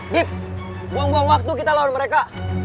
gip buang buang waktu kita lawan mereka